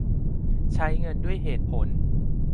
ใช้เงินด้วยเหตุผล